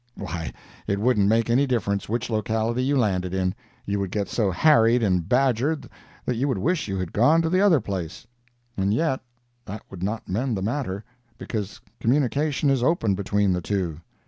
Why, it wouldn't make any difference which locality you landed in—you would get so harried and badgered that you would wish you had gone to the other place. And yet, that would not mend the matter, because communication is open between the two.